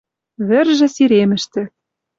Вӹржӹ сиремӹштӹ